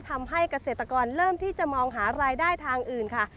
ทำให้เกษตรกรเริ่มที่จะมองหารายได้ทางอื่นค่ะ